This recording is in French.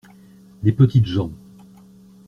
Les petites gens.